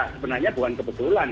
sebenarnya bukan kebetulan